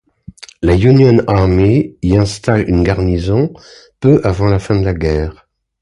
La Union Army y installe une garnison peu avant la fin de la guerre.